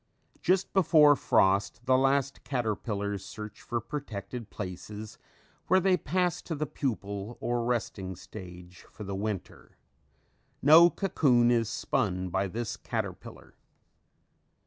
Just before frost the last caterpillars search for protected places where they pass to the pupal or resting stage for the winter. No cocoon is spun by this caterpillar.